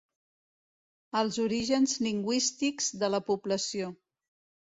Els orígens lingüístics de la població.